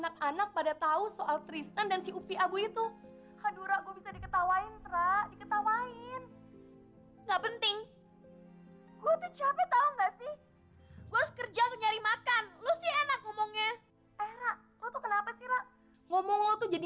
kamu ini nge heal yaudah kerjaan yang ini